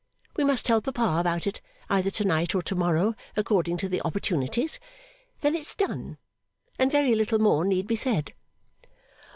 We must tell papa about it either to night or to morrow, according to the opportunities. Then it's done, and very little more need be said.